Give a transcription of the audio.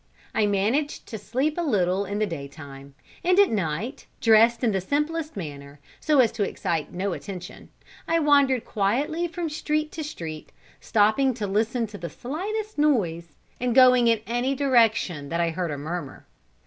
I managed to sleep a little in the day time, and at night, dressed in the simplest manner, so as to excite no attention, I wandered quietly from street to street, stopping to listen to the slightest noise, and going in any direction that I heard a murmur.